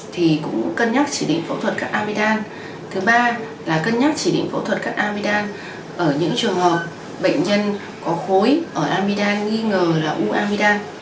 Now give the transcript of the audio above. thứ ba là cân nhắc chỉ định phẫu thuật cắt amidam ở những trường hợp bệnh nhân có khối ở amidam nghi ngờ là u amidam